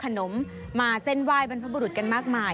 ประเพณีนี้ปกติก็จะมีการทำบุญและทำขนมมาเส้นวายบรรพบุรุษกันมากมาย